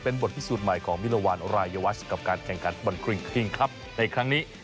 เป็นบทพิสูจน์ใหม่ของมิรวรรณรายวัชกับการแข่งขันบอลคริงครับในครั้งนี้